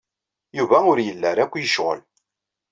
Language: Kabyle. Yuba ur yelli ara akk yecɣel.